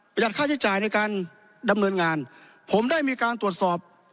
ค่าใช้จ่ายในการดำเนินงานผมได้มีการตรวจสอบ